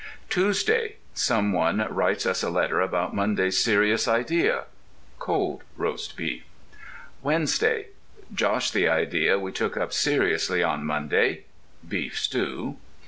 TUESDAY. Some one writes us a letter about Monday's serious idea. (COLD ROAST BEEF.) WEDNESDAY. Josh the idea we took up seriously on Monday. (BEEF STEW.)